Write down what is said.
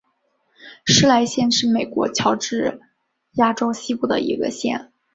施莱县是美国乔治亚州西部的一个县。